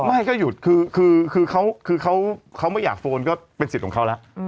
ไม่ก็หยุดคือเขาไม่อยากโฟนก็เป็นสิทธิ์ของเขาแล้ว